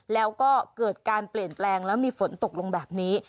แล้วก็เกิดการเปลี่ยนแปลงแล้วมีฝนตกลงแบบนี้